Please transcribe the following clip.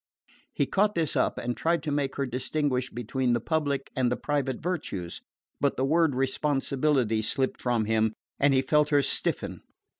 He caught this up and tried to make her distinguish between the public and the private virtues. But the word "responsibility" slipped from him and he felt her stiffen.